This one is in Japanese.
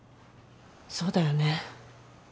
そうだよね。